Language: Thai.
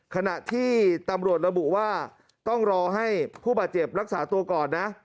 ขณะที่ตำรวจระบุว่าต้องรอให้ผู้บาดเจ็บรักษาตัวก่อนนะ